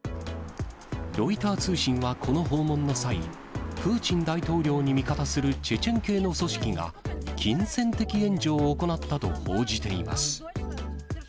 ロイター通信はこの訪問の際、プーチン大統領に味方するチェチェン系の組織が、金銭的援助を行ったと報じています。